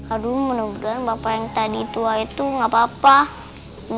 aduh mudah mudahan bapak yang tadi tua itu gak apa apa